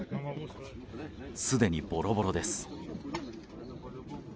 すでにボロボロです。